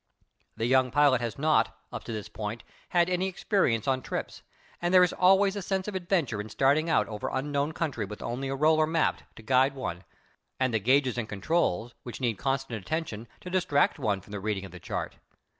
The young pilot has not, up to this point, had any experience on trips, and there is always a sense of adventure in starting out over unknown country with only a roller map to guide one and the gauges and controls, which need constant attention, to distract one from the reading of the chart.